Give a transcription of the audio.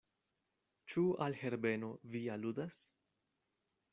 Ĉu al Herbeno vi aludas?